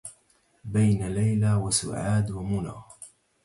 بين ليلى وسعاد ومنى